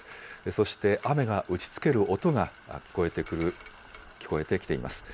そして、雨が打ちつける音が聞こえてきています。